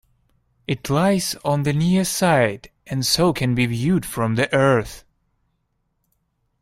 It lies on the near side and so can be viewed from the Earth.